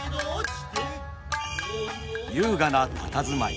優雅なたたずまい。